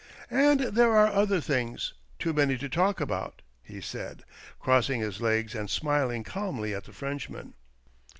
" And there are other things — too many to talk about," he said, crossing his legs and smiling calmly at the Frenchman.